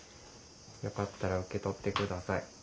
よかったら受け取って下さい。